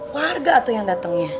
warga tuh yang datangnya